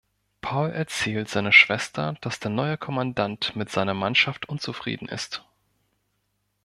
Paul erzählt seiner Schwester, dass der neue Kommandant mit seiner Mannschaft unzufrieden ist.